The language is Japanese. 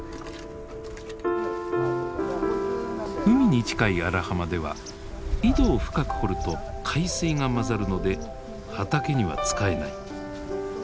海に近い荒浜では井戸を深く掘ると海水が混ざるので畑には使えない。